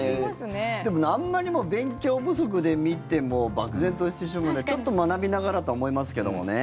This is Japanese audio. そうね、でもあんまり勉強不足で見ても漠然としてしまうんでちょっと学びながらとは思いますけどもね。